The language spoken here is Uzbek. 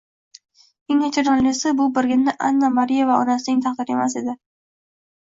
Eng achinarlisi, bu birgina Anna-Mariya va onasining taqdiri emas edi